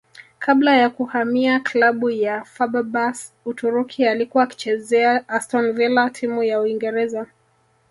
kabla ya kuhamia klabu ya Feberbahce Uturuki alikuwa akichezea Aston Villa timu ya Uingereza